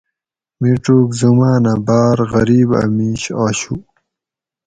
مِڄوگ زمانہ باۤر غریب اۤ مِیش آشو